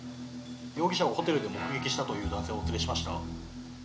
容疑者をホテルで目撃したという男性をお連れしました。